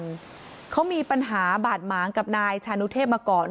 เขามีปัญหาบาดหมางกับนายชานุเทพมาก่อน